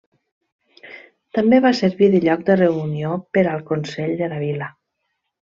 També va servir de lloc de reunió per al Consell de la Vila.